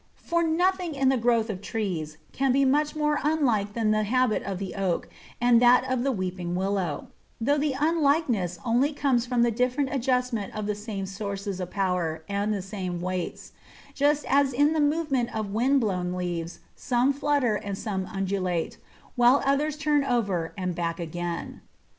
For nothing in the growth of trees can be much more unlike than the habit of the oak and that of the weeping willow, though the unlikeness only comes from the different adjustment of the same sources of power and the same weights, just as in the movement of wind blown leaves some flutter and some undulate, while others turn over and back again.